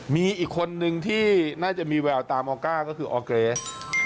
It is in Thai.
มีอีกคนนึงที่น่าจะมีแววตามออก้าก็คือออร์เกรส